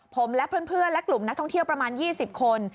ผมและเพื่อนและกลุ่มนักท่องเที่ยวประมาณ๒๐คน